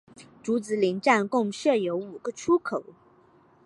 竹子林站共设有五个出口。